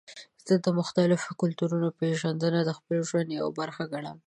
زه د مختلفو کلتورونو پیژندنه د خپل ژوند یوه برخه ګڼم.